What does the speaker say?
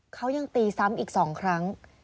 เขายังตีซ้ำอีก๒ครั้ง